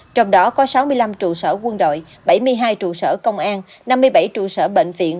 trong đó có sáu mươi năm trụ sở quân đội bảy mươi hai trụ sở công an năm mươi bảy trụ sở bệnh viện